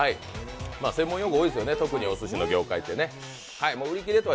専門用語が多いですよね、特にお寿司の業界は。